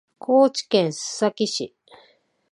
高知県須崎市